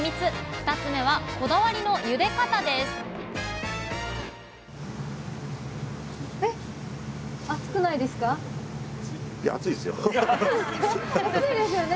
２つ目はこだわりのゆで方です熱いですよね。